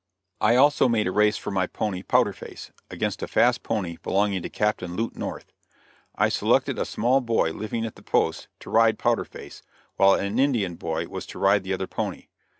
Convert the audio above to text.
I also made a race for my pony Powder Face, against a fast pony belonging to Captain Lute North. I selected a small boy, living at the post to ride Powder Face, while an Indian boy was to ride the other pony.